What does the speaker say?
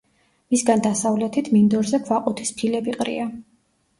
მისგან დასავლეთით, მინდორზე ქვაყუთის ფილები ყრია.